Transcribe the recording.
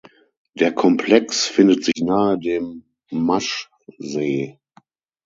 Der Komplex findet sich nahe dem Maschsee.